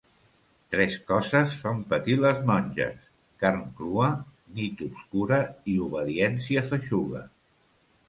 Tres coses fan patir les monges: carn crua, nit obscura i obediència feixuga.